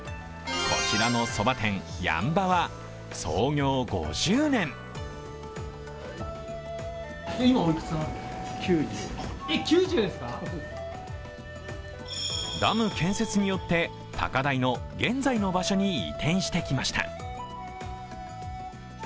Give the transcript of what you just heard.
こちらのそば店、やんばは創業５０年ダム建設によって高台の現在の場所に移転してきました。